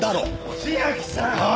千秋さん！